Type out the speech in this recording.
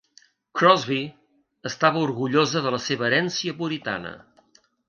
Crosby estava orgullosa de la seva herència puritana.